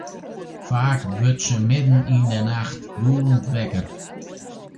Faak wurdt se midden yn 'e nacht gûlend wekker.